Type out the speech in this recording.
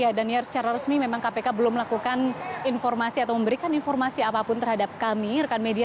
ya daniar secara resmi memang kpk belum melakukan informasi atau memberikan informasi apapun terhadap kami rekan media